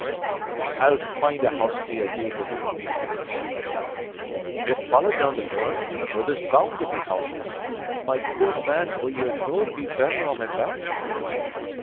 "I'll find a house to ye, David," he said, stoutly. "We'll follow down the burn, where there's bound to be houses. My poor man, will ye no be better on my back?"